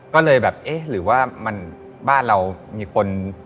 ก็เลยแบบเอ๊ะหรือว่ามันบ้านเรามีคน